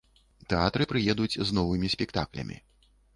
Тэатры прыедуць з новымі спектаклямі.